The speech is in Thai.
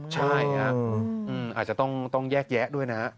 ใช่อาจจะต้องแยกแยะด้วยนะ